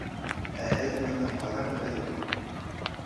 — Ә һеҙ быны ҡайҙан беләһегеҙ?